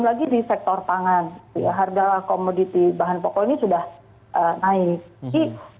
lagi di sektor pangan harga komoditi bahan pokok ini sudah naik jadi